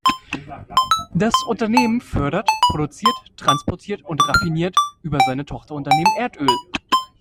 Das Unternehmen fördert, produziert, transportiert und raffiniert über seine Tochterunternehmen Erdöl.